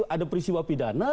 ada peristiwa pidana